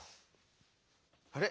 あれ？